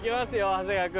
長谷川君。